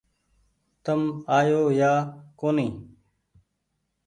تم آيو يا ڪونيٚ